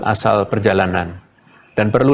asal perjalanan dan perlu